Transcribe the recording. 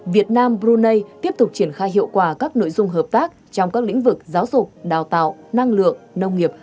việt nam brunei tiếp tục triển khai hiệu quả các nội dung hợp tác trong các lĩnh vực giáo dục đào tạo năng lượng nông nghiệp